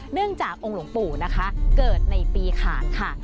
เนื่องจากองค์หลงปูนะกะเกิดในปีขาดค่า